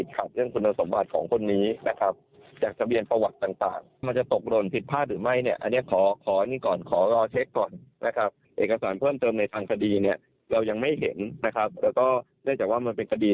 ก็ต้องมีส่วนรับผิดชอบค่ะ